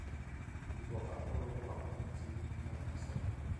Il vocabolo "Huapi" significa "isola".